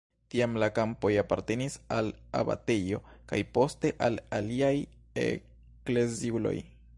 Tiam la kampoj apartenis al abatejo kaj poste al aliaj ekleziuloj.